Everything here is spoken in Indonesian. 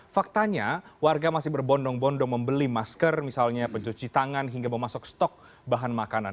faktanya warga masih berbondong bondong membeli masker misalnya pencuci tangan hingga memasuk stok bahan makanan